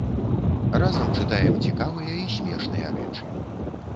Разам чытаем цікавыя і смешныя рэчы.